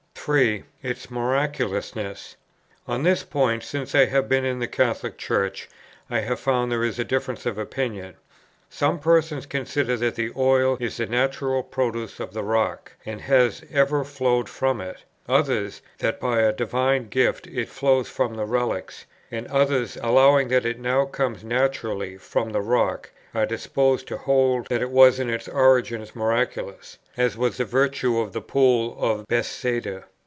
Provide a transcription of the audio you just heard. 3. Its miraculousness. On this point, since I have been in the Catholic Church, I have found there is a difference of opinion. Some persons consider that the oil is the natural produce of the rock, and has ever flowed from it; others, that by a divine gift it flows from the relics; and others, allowing that it now comes naturally from the rock, are disposed to hold that it was in its origin miraculous, as was the virtue of the pool of Bethsaida.